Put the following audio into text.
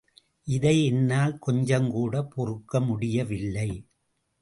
இதை என்னால் கொஞ்சங்கூட பொறுக்க முடியவில்லை.